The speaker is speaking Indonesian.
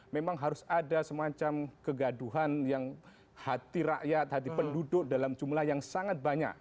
memang harus ada semacam kegaduhan yang hati rakyat hati penduduk dalam jumlah yang sangat banyak